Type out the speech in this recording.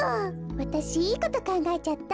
わたしいいことかんがえちゃった。